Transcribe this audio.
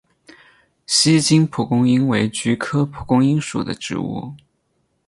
锡金蒲公英为菊科蒲公英属的植物。